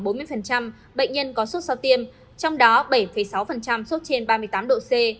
bệnh nhân có sốt sau tiêm trong đó bảy sáu sốt trên ba mươi tám độ c